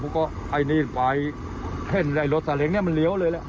บุ๊คก็ไอ้เนีลไฟเสร็จละรถสาเล็งเนี่ยมันเลี้ยวเลยแหละ